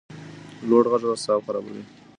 لوړ غږ اعصاب خرابوي